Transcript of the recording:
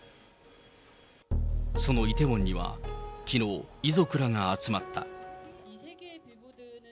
そのイテウォンには、きのう、遺族らが集まった。